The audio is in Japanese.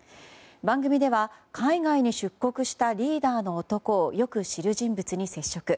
番組では海外に出国したリーダーの男をよく知る人物に接触。